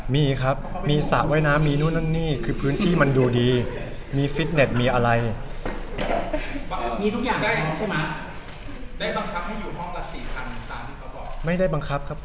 ไม่อยากคำนวนว่าเราส่งไปมีสระว่ายน้ำมีสนามเด็กเล่นให้เด็กริ้งใช่ไหมครับ